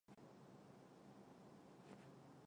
小桃纻